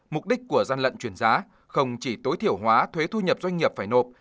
mục đích của gian lận chuyển giá không chỉ tối thiểu hóa thuế thu nhập doanh nghiệp phải nộp